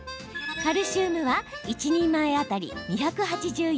カルシウムは一人前当たり２８４ｍｇ。